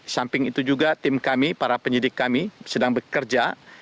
samping itu juga tim kami para penyidik kami sedang bekerja